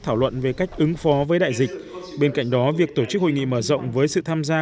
thảo luận về cách ứng phó với đại dịch bên cạnh đó việc tổ chức hội nghị mở rộng với sự tham gia